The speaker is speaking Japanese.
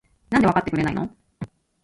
なんでわかってくれないの？？